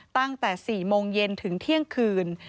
ตั้งแต่๔โมงเย็นถึงเที่ยงคืน